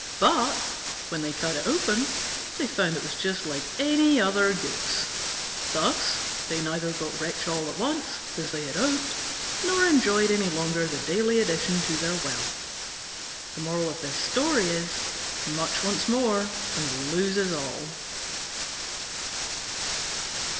But when they cut it open they found it was just like any other goose. Thus, they neither got rich all at once, as they had hoped, nor enjoyed any longer the daily addition to their wealth. Much wants more and loses all.